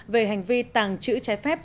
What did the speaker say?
về hành vi tàng trữ trái phép